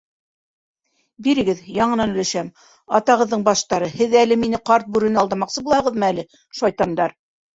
— Бирегеҙ, яңынан өләшәм, атағыҙҙың баштары, һеҙ әле мине — ҡарт бүрене алдамаҡсы булаһығыҙмы әле, шайтандар.